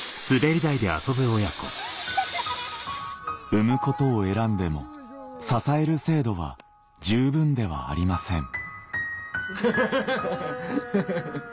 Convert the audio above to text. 産むことを選んでも支える制度は十分ではありませんうん。